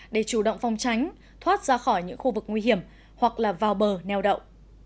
để chủ động phong tránh thoát ra khỏi những khu vực nguy hiểm hoặc là vào bờ neo đậu